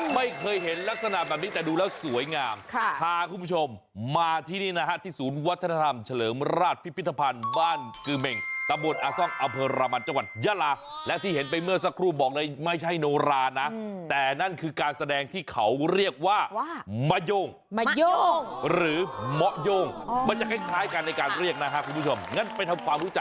ไม่เคยเห็นลักษณะแบบนี้แต่ดูแล้วสวยงามค่ะพาคุณผู้ชมมาที่นี่นะฮะที่ศูนย์วัฒนธรรมเฉลิมราชพิพิธภัณฑ์บ้านกือเมงตะบนอาซ่องอำเภอรามันจังหวัดยาลาและที่เห็นไปเมื่อสักครู่บอกเลยไม่ใช่โนรานะแต่นั่นคือการแสดงที่เขาเรียกว่ามะโย่งมะโย่งหรือเมาะโย่งมันจะคล้ายกันในการเรียกนะฮะคุณผู้ชมงั้นไปทำความรู้จัก